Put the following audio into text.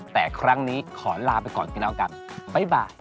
แต่ครั้งนี้ขอลาไปก่อนกันนะครับบ๊ายบาย